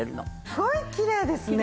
すごいきれいですね。